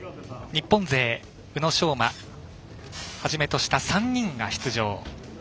日本勢宇野昌磨はじめとした３人が出場。